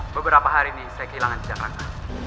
beberapa hari ini saya kehilangan sejak raka